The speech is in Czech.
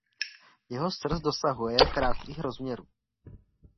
Jeho srst dosahuje jen krátkých rozměrů.